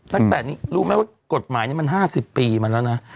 ตั้งแต่นี้รู้ไหมว่ากฎหมายนี้มัน๕๐ปีมาแล้วนะ